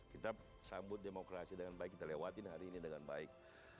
kita sambut demokrasi dengan baik kita lewatin hari ini dengan baik